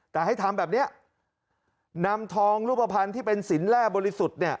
แต่ให้ทำแบบเนี้ยนำทองรูปภัณฑ์ที่เป็นสินแร่บริสุทธิ์เนี่ย